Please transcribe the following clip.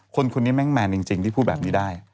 คนนี้แม่งแมนจริงที่พูดแบบนี้ได้